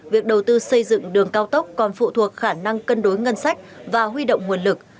việc đầu tư xây dựng đường cao tốc còn phụ thuộc khả năng cân đối ngân sách và huy động nguồn lực